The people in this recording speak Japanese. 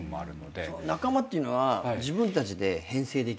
仲間っていうのは自分たちで編成できる？